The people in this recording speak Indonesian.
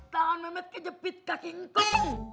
tangan memet kejepit kaki engkau